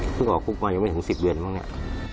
พึ่งออกกุ๊กมันยังไม่ถึง๑๐เดือนบ้างเนี่ย